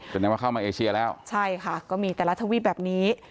แสดงว่าเข้ามาเอเชียแล้วใช่ค่ะก็มีแต่ละทวีปแบบนี้